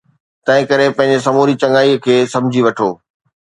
تنهن ڪري پنهنجي سموري چڱائي کي سمجهي وٺو